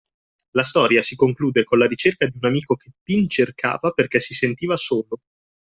La storia si conclude con la ricerca di un amico che Pin cercava perché si sentiva solo